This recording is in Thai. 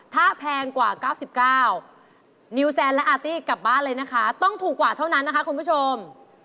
ถ้าแพงกว่า๙๙นิวแซนและอาร์ตี้กลับบ้านเลยนะคะต้องถูกกว่าเท่านั้นนะคะคุณผู้ชม